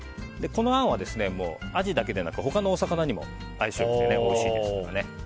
このあんはアジだけでなく他のお魚にも相性が良くておいしいですからね。